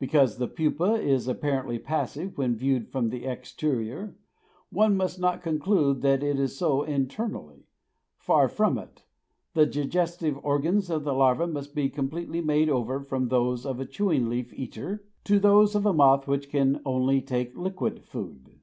Because the pupa is apparently passive when viewed from the exterior, one must not conclude that it is so internally; far from it; the digestive organs of the larva must be completely made over from those of a chewing leaf eater to those of a moth which can only take liquid food.